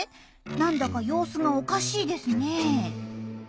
なんだか様子がおかしいですねえ。